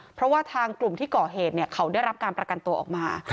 เพราะว่าทางกลุ่มที่ก่อเหตุเขาได้รับการประกันตัวออกมา